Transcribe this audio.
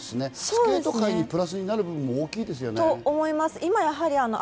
スケート界にプラスになる部分も大きいですよね。